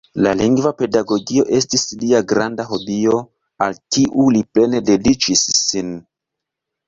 La lingva pedagogio estis lia granda hobio, al kiu li plene dediĉis sin.